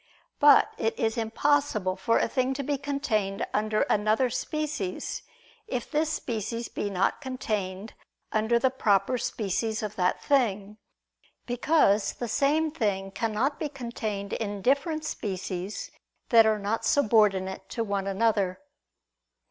But it is impossible for a thing to be contained under another species, if this species be not contained under the proper species of that thing; because the same thing cannot be contained in different species that are not subordinate to one another.